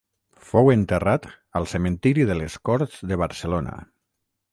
Fou enterrat al Cementiri de les Corts de Barcelona.